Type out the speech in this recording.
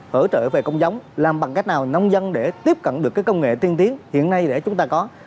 hỗ trợ về con giống làm bằng cách nào nông dân để tiếp cận được công nghệ tiên tiến hiện nay để chúng ta có